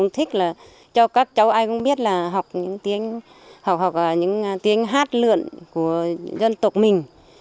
cô thích là cho các cháu ai cũng biết là học những tiếng hát lượn của dân tộc mình